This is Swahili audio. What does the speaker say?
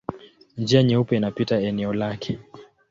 Njia Nyeupe inapita eneo lake.